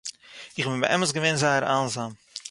איך בין באמת געווען זייער איינזאַם